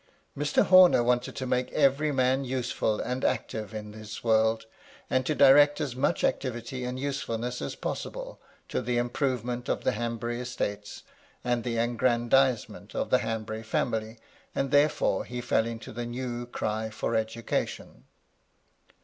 Mr. Homer wanted to make every man useful and active in this world, and to direct as much activity and usefulness as possible to the improvement of the Hanbury estates, and the aggrandisement of the Hanbury family, and therefore he fell into the new cry for education.